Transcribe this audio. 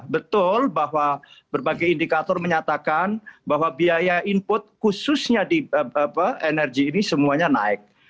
betul bahwa berbagai indikator menyatakan bahwa biaya input khususnya di energi ini semuanya naik